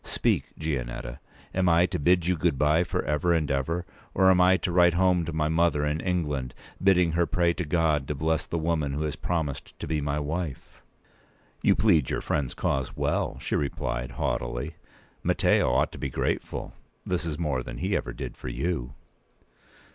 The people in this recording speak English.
Speak, Gianetta; am I to bid you good bye for ever and ever, or am I to write home to my mother in England, bidding her pray to God to bless the woman who has promised to be my wife?" "You plead your friend's cause well," she p. 197replied, haughtily. "Matteo ought to be grateful. This is more than he ever did for you."